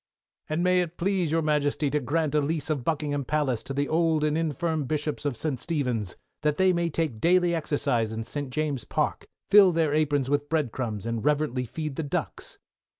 And may it please your Majesty to grant a lease of Buckingham Palace to the old and infirm Bishops of St. Stephen's, that they may take daily exercise in St. James's Park, fill their aprons with bread crumbs, and reverently feed the ducks!